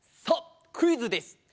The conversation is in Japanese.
さあクイズです。